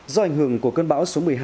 do ảnh hưởng của cơn bão số một mươi hai